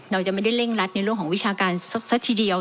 เราจะไม่ได้เร่งรัดในเรื่องของวิชาการสักทีเดียว